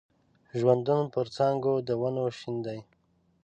ژوندون پر څانګو د ونو شین دی